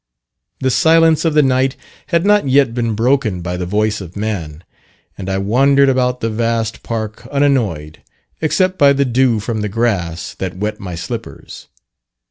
The silence of the night had not yet been broken by the voice of man; and I wandered about the vast park unannoyed, except by the dew from the grass that wet my slippers.